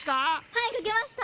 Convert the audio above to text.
はいかけました。